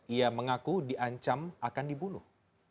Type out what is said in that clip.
ia mengaku diancam akan dibunuh